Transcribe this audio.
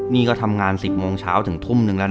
นี่ก็ทำงาน๑๐โมงเช้าถึงทุ่มนึงแล้ว